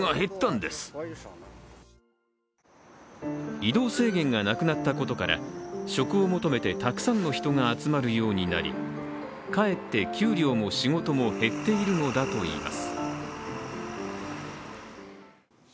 移動制限がなくなったことから職を求めてたくさんの人が集まるようになり、かえって、給料も仕事も減っているのだといいます。